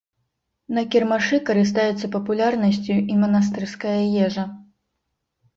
На кірмашы карыстаецца папулярнасцю і манастырская ежа.